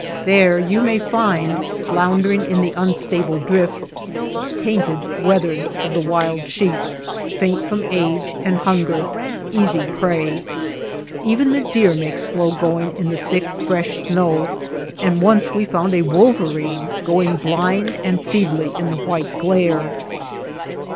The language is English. There you may find floundering in the unstable drifts " tainted wethers " of the wild sheep, faint from age and hunger ; easy prey. Even the 256 NURSLINGS OF THE SKY deer make slow going in the thick fresh snow, and once we found a wolverine going blind and feebly in the white glare.